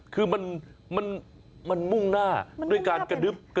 คือมันมุ่งหน้าด้วยการกระดึ๊บ